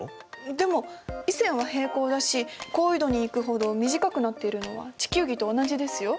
でも緯線は平行だし高緯度に行くほど短くなっているのは地球儀と同じですよ。